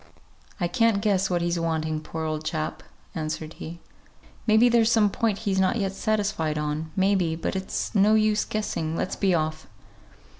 "I can't guess what he's wanting, poor old chap," answered he. "May be there's some point he's not yet satisfied on; may be but it's no use guessing; let's be off."